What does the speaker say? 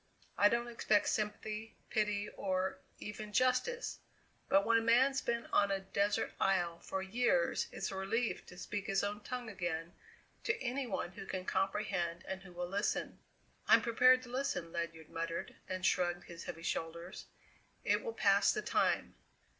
I don't expect sympathy, pity, or even justice, but when a man's been on a desert isle for years it's a relief to speak his own tongue again to any one who can comprehend and who will listen." "I'm prepared to listen," Ledyard muttered, and shrugged his heavy shoulders; "it will pass the time."